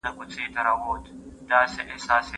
څنګه علم انسان بدلوي؟